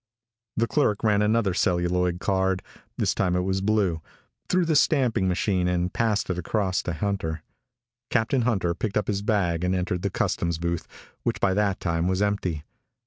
The clerk ran another celluloid card this time it was blue through the stamping machine and passed it across to Hunter. Captain Hunter picked up his bag and entered the customs booth, which by that time was empty.